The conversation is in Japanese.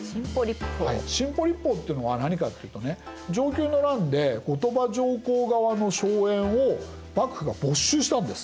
新補率法っていうのは何かというとね承久の乱で後鳥羽上皇側の荘園を幕府が没収したんです。